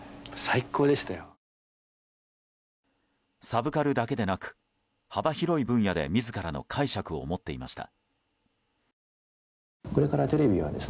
サブカルだけでなく幅広い分野で自らの解釈を持っていました。